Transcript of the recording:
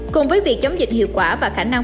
cùng với việc chống dịch hiệu quả và khả năng